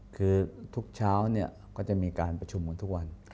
คือทุกเช้าก็จะมีการประชุมกันทุกวัน